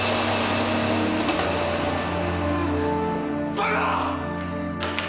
バカ！